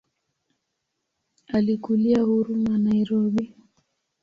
Alikulia Huruma Nairobi.